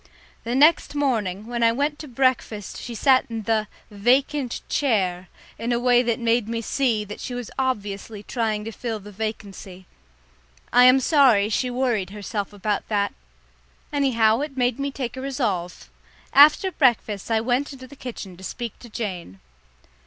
The next morning, when I went in to breakfast she sat in the "vacant chair" in a way that made me see that she was obviously trying to fill the vacancy. I am sorry she worried herself about that. Anyhow, it made me take a resolve. After breakfast, I went into the kitchen to speak to Jane.